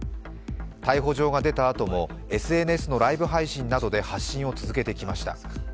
逮捕状が出たあともＳＮＳのライブ配信などで発信を続けてきました。